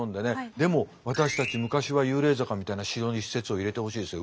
「でも私たち昔は幽霊坂」みたいな詩の一節を入れてほしいですよ